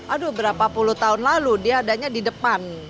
aduh berapa puluh tahun lalu diadanya di depan